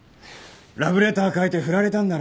ラブレター書いて振られたんだろ？